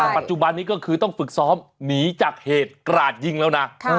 แต่ปัจจุบันนี้ก็คือต้องฝึกซ้อมหนีจากเหตุกราดยิงแล้วนะ